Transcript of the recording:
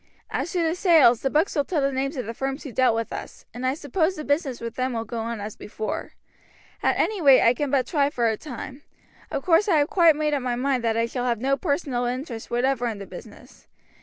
As to the sales, the books will tell the names of the firms who dealt with us, and I suppose the business with them will go on as before. At any rate I can but try for a time. Of course I have quite made up my mind that I shall have no personal interest whatever in the business.